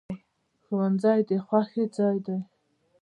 ښوونځی د خوښۍ ځای دی